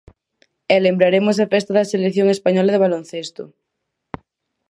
E lembraremos a festa da selección española de baloncesto.